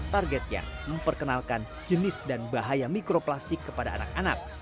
targetnya memperkenalkan jenis dan bahaya mikroplastik kepada anak anak